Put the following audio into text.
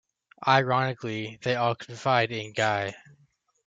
Ironically, they all confide in Guy.